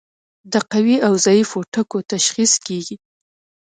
د قوي او ضعیفو ټکو تشخیص کیږي.